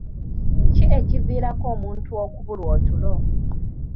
Ki ekiviirako omuntu okubulwa otulo?